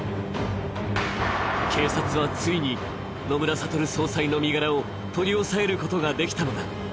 警察はついに、野村悟総裁の身柄を取り押さえることができたのだ。